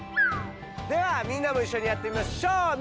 ではみんなもいっしょにやってみましょう！